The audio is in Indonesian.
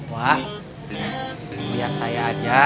wak biar saya aja